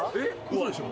嘘でしょ？